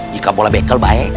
jika boleh bekel baik